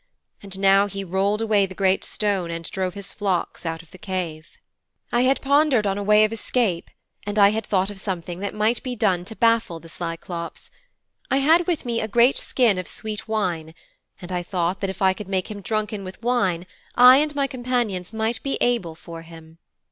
And now he rolled away the great stone and drove his flocks out of the cave.' 'I had pondered on a way of escape, and I had thought of something that might be done to baffle the Cyclops. I had with me a great skin of sweet wine, and I thought that if I could make him drunken with wine I and my companions might be able for him.